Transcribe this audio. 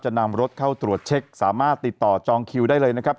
นำรถเข้าตรวจเช็คสามารถติดต่อจองคิวได้เลยนะครับ